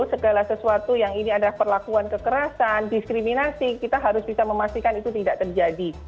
segala sesuatu yang ini adalah perlakuan kekerasan diskriminasi kita harus bisa memastikan itu tidak terjadi